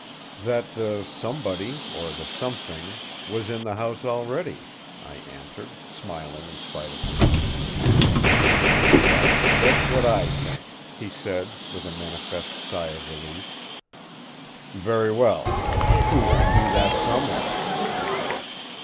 "That the somebody—or the something—was in the house already," I answered, smiling in spite of myself. "That's just what I think," he said, with a manifest sigh of relief. "Very well! Who can be that someone?"